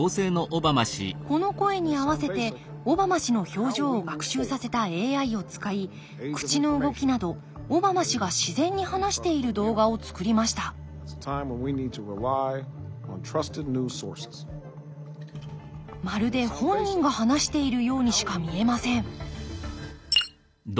この声に合わせてオバマ氏の表情を学習させたＡＩを使い口の動きなどオバマ氏が自然に話している動画をつくりましたまるで本人が話しているようにしか見えません